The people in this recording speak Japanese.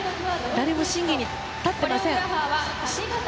誰も審議に立っていません。